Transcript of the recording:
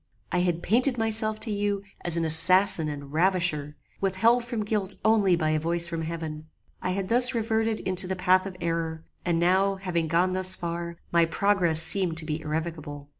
I had painted myself to you as an assassin and ravisher, withheld from guilt only by a voice from heaven. I had thus reverted into the path of error, and now, having gone thus far, my progress seemed to be irrevocable.